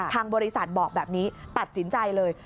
ทางบริษัทบอกแบบนี้ตัดสินใจเลย